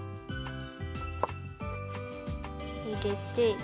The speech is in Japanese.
いれて。